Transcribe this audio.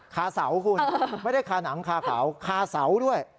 คาเสาคุณไม่ได้คาหนังคาเขาคาเสาด้วย